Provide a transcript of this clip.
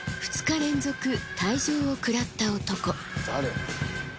２日連続退場をくらった男。